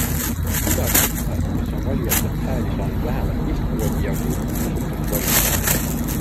Iga kandidaat, kes on valijatelt hääli saanud vähemalt lihtkvoodi jagu, on osutunud valituks.